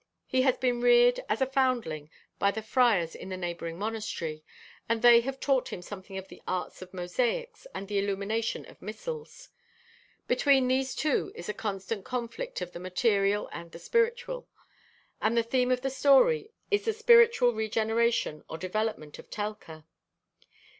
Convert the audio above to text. He has been reared, as a foundling, by the friars in the neighboring monastery, and they have taught him something of the arts of mosaics and the illumination of missals. Between these two is a constant conflict of the material and the spiritual, and the theme of the story is the spiritual regeneration or development of Telka.